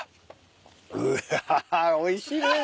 うわおいしいね。